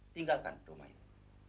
tinggalkan rumah itu